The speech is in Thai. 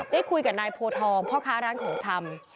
ได้คุยกับนายโพทองพ่อค้าร้านของชำ